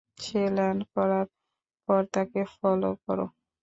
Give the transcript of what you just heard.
সে land করার পর তাকে ফলো করো।